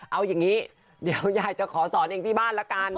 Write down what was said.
เอาอย่างนี้เดี๋ยวยายจะขอสอนเองที่บ้านละกัน